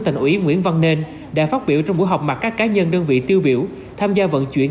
tỉnh ủy nguyễn văn nên đã phát biểu trong buổi họp mặt các cá nhân đơn vị tiêu biểu tham gia vận chuyển